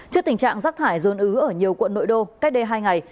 trước tình trạng rác thải rôn ứ ở nhiều quận nội đô cách đây hai ngày